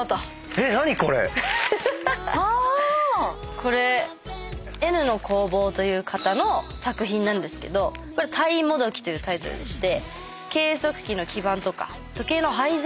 これＮの工房という方の作品なんですけどこれ『鯛もどき』というタイトルでして。